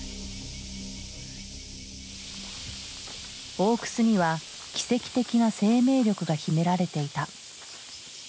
大くすには奇跡的な生命力が秘められていた。